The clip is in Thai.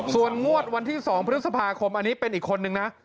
ส่วนงวดวันที่๒พฤษภาคมอันนี้เป็นอีกคนนึงนะ